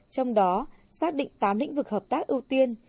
trong đó xác định tám lĩnh vực hợp tác ưu tiên